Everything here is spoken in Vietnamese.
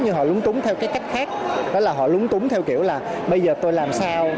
nhưng họ lúng túng theo cái cách khác đó là họ lúng túng theo kiểu là bây giờ tôi làm sao